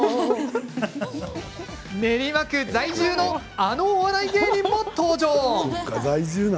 練馬区在住のあのお笑い芸人も登場。